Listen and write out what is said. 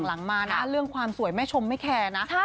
หลังมานะเรื่องความสวยแม่ชมไม่แคร์นะ